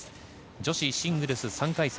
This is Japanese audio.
女子シングルス３回戦。